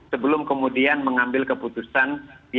sebelum kemudian mengambil keputusan